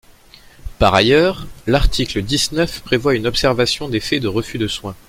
Par ailleurs, l’article dix-neuf prévoit une observation des faits de refus de soins.